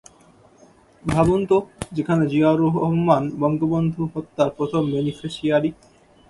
ভাবুন তো, যেখানে জিয়াউর রহমান বঙ্গবন্ধু হত্যার প্রথম বেনিফিশিয়ারি।